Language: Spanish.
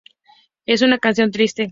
Es una canción triste".